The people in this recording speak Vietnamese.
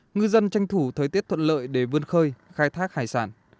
ngư dân tranh thủ thời tiết thuận lợi để vươn khơi khai thác hải sản